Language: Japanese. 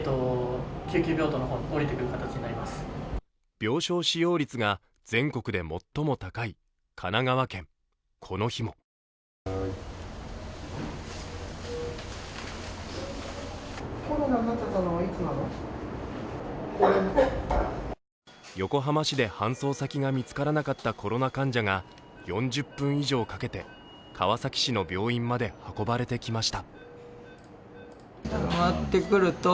病床使用率が全国で最も高い神奈川県、この日も横浜市で搬送先が見つからなかったコロナ患者が４０分以上かけて川崎市の病院まで運ばれてきました。